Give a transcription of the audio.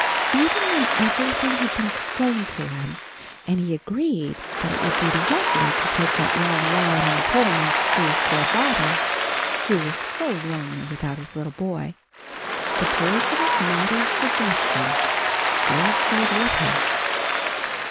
Even when everything had been explained to him, and he agreed that it would be lovely to take that long ride on the Pullman to see poor father, who was so lonely without his little boy, the poison of Maudie's suggestion still stayed with him.